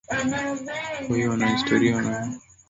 Kwa hiyo wanahistoria wanatakiwa kuliweka hili sawa